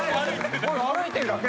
歩いてるだけ」